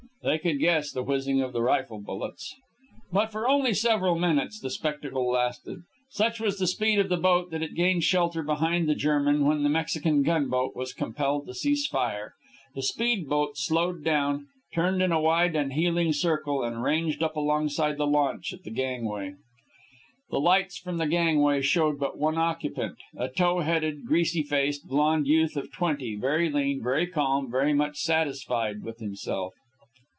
They could guess the whizzing of the rifle bullets. But for only several minutes the spectacle lasted. Such was the speed of the boat that it gained shelter behind the German, when the Mexican gunboat was compelled to cease fire. The speedboat slowed down, turned in a wide and heeling circle, and ranged up alongside the launch at the gangway. The lights from the gangway showed but one occupant, a tow headed, greasy faced, blond youth of twenty, very lean, very calm, very much satisfied with himself.